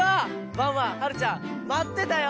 ワンワンはるちゃんまってたよ！